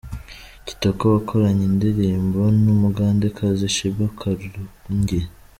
Kitoko wakoranye indirimbo numugande kazi Sheebah Karugi